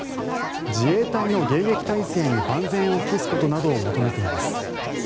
自衛隊の迎撃体制に万全を期すことなどを求めています。